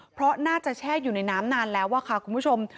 เพราะน่าจะแช่อยู่ในน้ำนานแล้วค่ะคุณผู้ชม